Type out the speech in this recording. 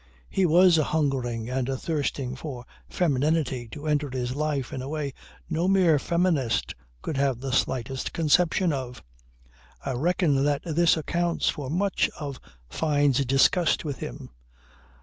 "He was a hungering and a thirsting for femininity to enter his life in a way no mere feminist could have the slightest conception of. I reckon that this accounts for much of Fyne's disgust with him.